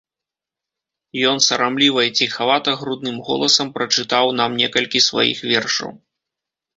Ён сарамліва і ціхавата, грудным голасам, прачытаў нам некалькі сваіх вершаў.